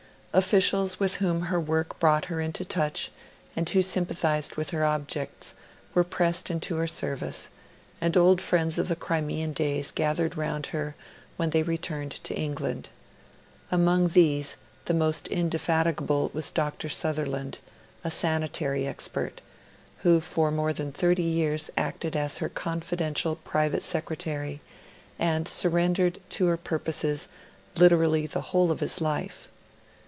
Officials with whom her work brought her into touch and who sympathised with her objects, were pressed into her service; and old friends of the Crimean days gathered around her when they returned to England. Among these the most indefatigable was Dr. Sutherland, a sanitary expert, who for more than thirty years acted as her confidential private secretary, and surrendered to her purposes literally the whole of his life.